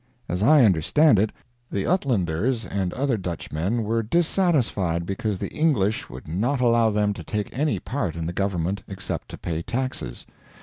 As I understand it, the Uitlanders and other Dutchmen were dissatisfied because the English would not allow them to take any part in the government except to pay taxes.